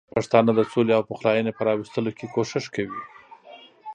پښتانه د سولې او پخلاینې په راوستلو کې کوښښ کوي.